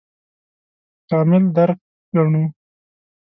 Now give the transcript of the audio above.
کامل درک ګڼو.